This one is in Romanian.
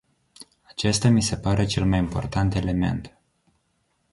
Acesta mi se pare cel mai important element.